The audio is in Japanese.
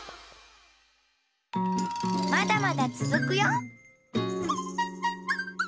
まだまだつづくよ！